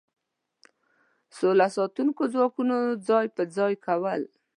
سوله ساتونکو ځواکونو ځای په ځای کول.